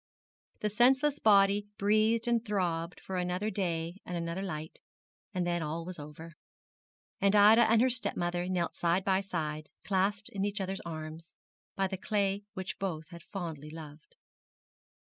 The senseless body breathed and throbbed for another day and another light: and then all was over and Ida and her stepmother knelt side by side, clasped in each other's arms, by the clay which both had fondly loved.